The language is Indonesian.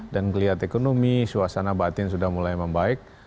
dan melihat ekonomi suasana batin sudah mulai membaik